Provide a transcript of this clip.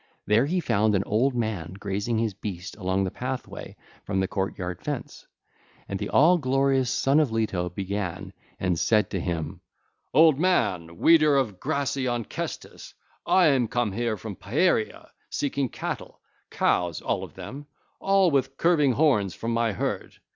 There he found an old man grazing his beast along the pathway from his court yard fence, and the all glorious Son of Leto began and said to him. (ll. 190 200) 'Old man, weeder 2520 of grassy Onchestus, I am come here from Pieria seeking cattle, cows all of them, all with curving horns, from my herd.